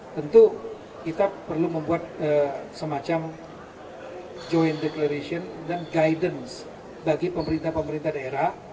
tentu kita perlu membuat semacam joint declaration dan guidance bagi pemerintah pemerintah daerah